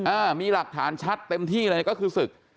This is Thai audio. อ้าวมีหลักฐานชัดเต็มที่เลยก็คือศึก